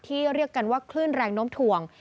เรียกกันว่าคลื่นแรงน้มถ่วง